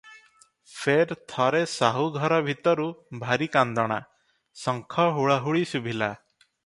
ଫେର୍ ଥରେ ସାହୁ ଘର ଭିତରୁ ଭାରି କାନ୍ଦଣା, ଶଙ୍ଖ ହୁଳହୁଳି ଶୁଭିଲା ।